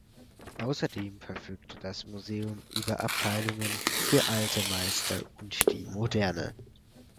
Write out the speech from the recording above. Außerdem verfügt das Museum über Abteilungen für Alte Meister und die Moderne.